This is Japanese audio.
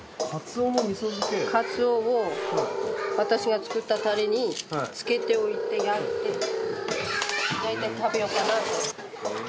カツオを私が作ったタレに漬けておいて焼いて食べようかなと。